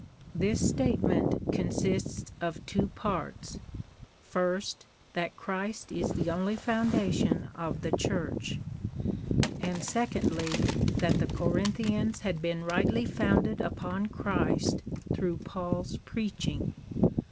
This statement consists of two parts ; first, that Christ is the only founda tion of the Church ; and secondly, that the Corinthians had been rightly founded upon Christ through Paul's preaching.